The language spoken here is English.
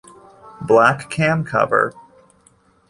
Black cam cover.